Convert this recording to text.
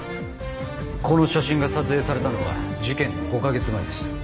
この写真が撮影されたのは事件の５か月前です。